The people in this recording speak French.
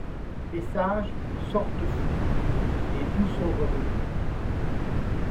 Les sages, sortent fous, et d'où sont revenus